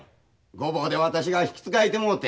御坊で私が引き継がいてもうて。